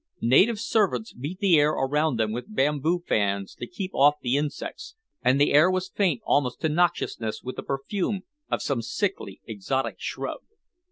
Native servants beat the air around them with bamboo fans to keep off the insects, and the air was faint almost to noxiousness with the perfume of some sickly, exotic shrub.